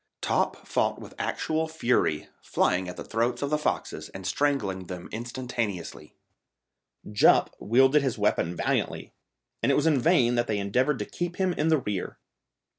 Top fought with actual fury, flying at the throats of the foxes and strangling them instantaneously. Jup wielded his weapon valiantly, and it was in vain that they endeavoured to keep him in the rear.